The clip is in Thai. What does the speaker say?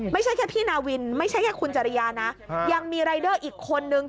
ไม่ใช่แค่พี่นาวินไม่ใช่แค่คุณจริยานะยังมีรายเดอร์อีกคนนึง